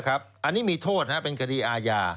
อันนี้มีโทษเป็นคดีอาญา